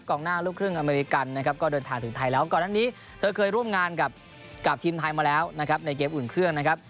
หน้าลูกครึ่งอเมริกันนะครับก็เดินทางถึงไทยแล้วก่อนอันนี้เธอเคยร่วมงานกับทีมไทยมาแล้วนะครับในเกมอุ่นเครื่องนะครับ